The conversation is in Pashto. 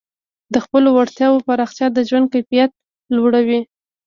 د خپلو وړتیاوو پراختیا د ژوند کیفیت لوړوي.